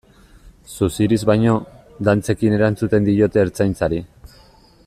Suziriz baino, dantzekin erantzuten diote Ertzaintzari.